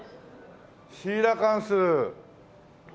シーラカンス。